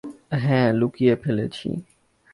হ্যাঁ, লুকিয়ে ফেলেছি।